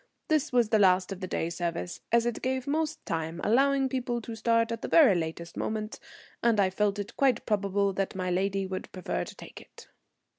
This was the last of the day service, as it gave most time, allowing people to start at the very latest moment, and I felt it quite probable that my lady would prefer to take it.